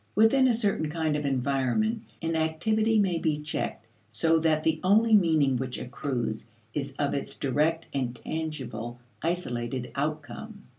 Within a certain kind of environment, an activity may be checked so that the only meaning which accrues is of its direct and tangible isolated outcome.